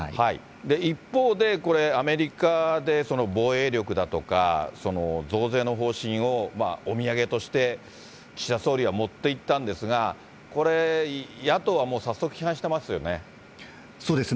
一方で、アメリカで防衛力だとか、増税の方針をお土産として、岸田総理は持っていったんですが、これ、そうですね。